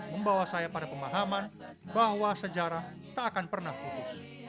membawa saya pada pemahaman bahwa sejarah tak akan pernah putus